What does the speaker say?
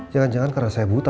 jangan jangan karena saya buta